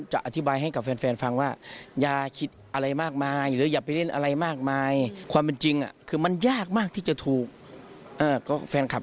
ให้แบบพอหอมปากพอหอมคอสนุกสนานลุ้นกันไปแค่นั้น